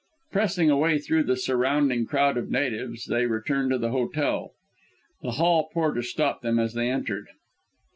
Pressing a way through the surrounding crowd of natives, they returned to the hotel. The hall porter stopped them as they entered.